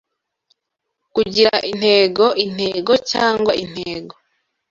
Kugiraintego intego cyangwa intego